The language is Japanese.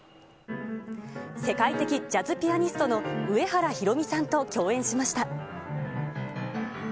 世界的ジャズピアニストの上原ひろみさんと共演しました。